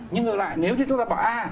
nhưng ngược lại nếu như chúng ta bảo